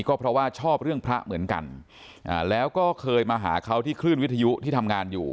ก็เพราะว่าชอบเรื่องพระเหมือนกันแล้วก็เคยมาหาเขาที่คลื่นวิทยุที่ทำงานอยู่